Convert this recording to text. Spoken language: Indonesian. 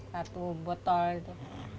satu botol itu